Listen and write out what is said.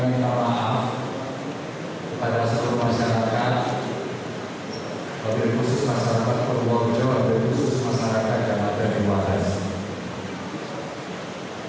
lebih khusus masyarakat perbuang jawa lebih khusus masyarakat jawa tengah dan jawa barat